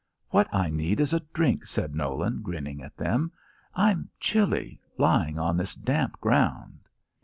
"What I need is a drink," said Nolan, grinning at them. "I'm chilly lying on this damp ground."